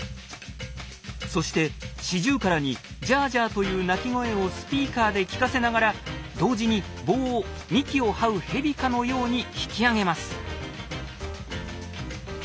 そしてシジュウカラに「ジャージャー」という鳴き声をスピーカーで聞かせながら同時に棒を幹を這うヘビかのように引き上げます。